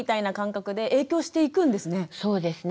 そうですね。